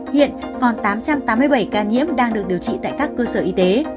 hiện còn tám trăm tám mươi bảy ca nhiễm đang được điều trị tại các cơ sở y tế